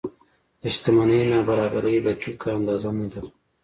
د شتمنۍ نابرابرۍ دقیقه اندازه نه لري.